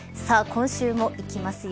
さあ今週もいきますよ